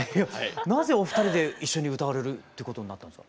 なぜお二人で一緒に歌われるってことになったんですか？